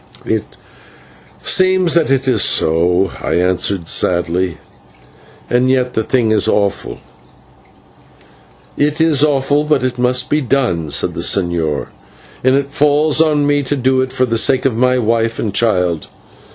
"It seems that it is so," I answered sadly, "and yet the thing is awful." "It is awful, but it must be done," said the señor, "and it falls on me to do it for the sake of my wife and child.